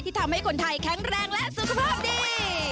ทำให้คนไทยแข็งแรงและสุขภาพดี